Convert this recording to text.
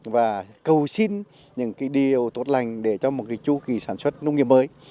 và cầu xin những điều tốt lành để cho một kỳ chú kỳ sản xuất nông nghiệp mới